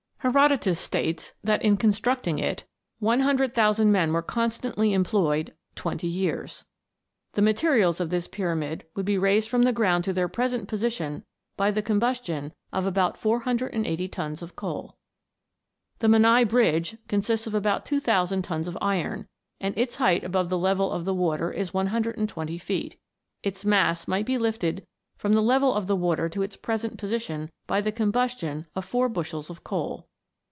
Hero dotus states that in constructing it 100,000 men were constantly employed twenty years. The mate rials of this Pyramid would be raised from the ground to their present position by the combustion of about 480 tons of coal. The Menai Bridge consists of about 2000 tons of iron, and its height above the level of the water THE WONDERFUL LAMP. 313 is 120 feet. Its mass might be lifted from the level of the water to its present position by the com bustion of four bushels of coal.